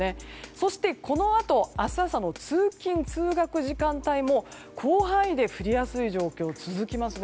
そして、このあと明日朝の通勤・通学時間帯も広範囲で降りやすい状況が続きます。